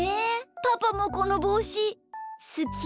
パパもこのぼうしすき？